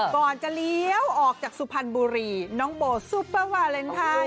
ก่อนจะเลี้ยวออกจากสุพรรณบุรีน้องโบซุปเปอร์วาเลนไทย